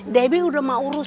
saya tidak ada yang menguruskan